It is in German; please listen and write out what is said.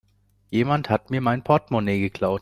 Jemand hat mir mein Portmonee geklaut.